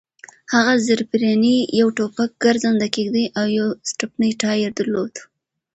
هغه زېرپېرني، یو ټوپک، ګرځنده کېږدۍ او یو سټپني ټایر درلود.